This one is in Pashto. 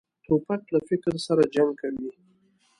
توپک له فکر سره جنګ کوي.